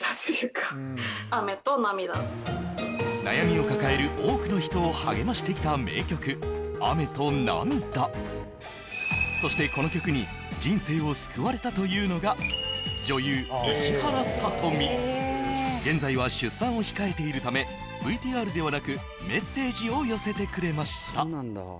悩みを抱える多くの人を励ましてきた名曲「雨と泪」そしてこの曲に人生を救われたというのが現在は出産を控えているためＶＴＲではなくメッセージを寄せてくれました